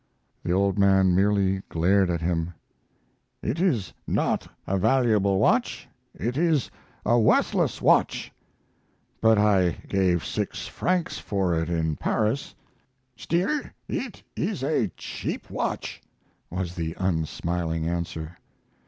The old man merely glared at him. "It is not a valuable watch. It is a worthless watch." "But I gave six francs for it in Paris." "Still, it is a cheap watch," was the unsmiling answer.